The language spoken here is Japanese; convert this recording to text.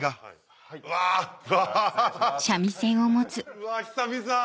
うわっ久々！